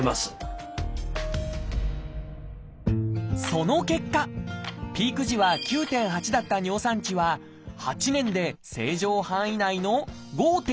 その結果ピーク時は９．８だった尿酸値は８年で正常範囲内の５．０に下がったのです！